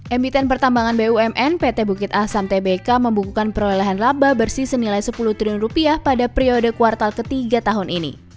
emiten pertambangan bumn pt bukit asam tbk membukukan perolehan laba bersih senilai sepuluh triliun rupiah pada periode kuartal ketiga tahun ini